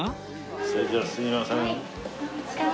それじゃあすみません。